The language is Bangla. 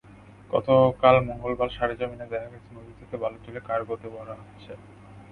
গতকাল মঙ্গলবার সরেজমিনে দেখা গেছে, নদী থেকে বালু তুলে কার্গোতে ভরা হচ্ছে।